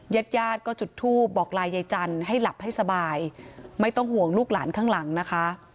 ญาติญาติก็จุดทูปบอกลายายจันทร์ให้หลับให้สบายไม่ต้องห่วงลูกหลานข้างหลังนะคะ